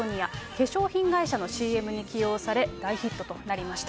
化粧品会社のＣＭに起用され、大ヒットとなりました。